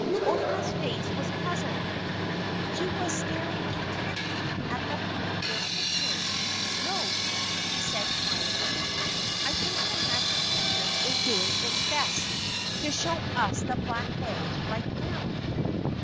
Ozma's face was puzzled. She was staring intently at the familiar picture. "No," she said quietly. "I think the Magic Picture is doing its best to show us the Black Bag right now."